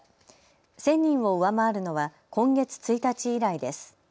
１０００人を上回るのは今月１日以来です。